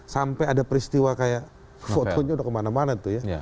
sampai ada peristiwa kayak fotonya sudah kemana mana